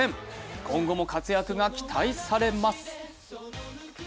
今後も活躍が期待されます。